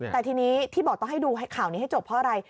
แต่ทีนี้ที่บอกต้องให้ดูข่าวนี้ให้จบเพราะอะไร